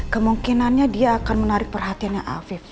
kemungkinannya dia akan menarik perhatiannya afif